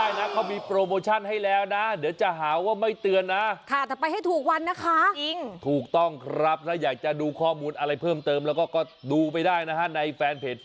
อย่าพิมพ์ให้มันแบบว่าดูมีอารมณ์มากสิ